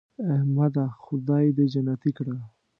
احمده خدای دې جنتې کړه .